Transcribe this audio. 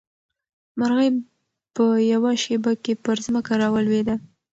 مرغۍ په یوه شېبه کې پر ځمکه راولوېده.